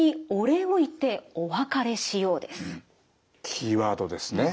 キーワードですね。